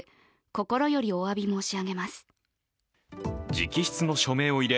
直筆の署名を入れ